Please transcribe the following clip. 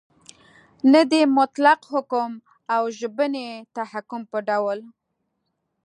نه د مطلق حکم او ژبني تحکم په ډول